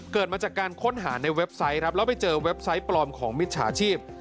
เกิดมาจากการค้นหาในเว็บไซต์ครับแล้วไปเจอเว็บไซต์ปลอมของมิจฉาชีพ